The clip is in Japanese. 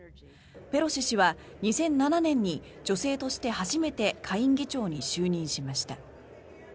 ペロシ氏は２００７年に女性として初めて下院議長に就任しました。